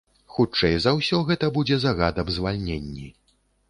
Хутчэй за ўсё, гэта будзе загад аб звальненні.